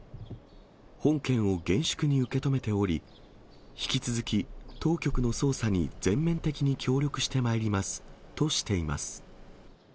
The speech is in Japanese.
本件を厳粛に受け止めており、引き続き当局の捜査に全面的に協力してまいりますとしています。